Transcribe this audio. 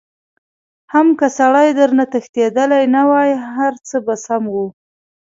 حم که سړی درنه تښتېدلی نه وای هرڅه به سم وو.